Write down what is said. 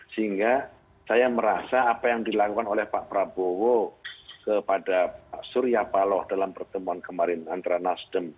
sehingga saya merasa apa yang dilakukan oleh pak prabowo kepada pak surya paloh dalam pertemuan kemarin antara nasdem